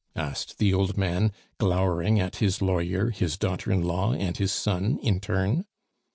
asked the old man, glowering at his lawyer, his daughter in law, and his son in turn.